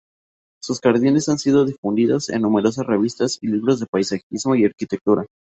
Sus jardines han sido difundidos en numerosas revistas y libros de paisajismo y arquitectura.